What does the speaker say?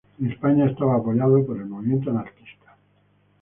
En España estaba apoyado por el movimiento anarquista.